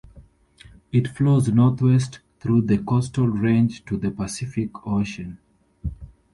It flows northwest through the Coastal Range to the Pacific Ocean.